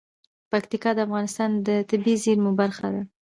پکتیا د افغانستان د طبیعي زیرمو برخه ده.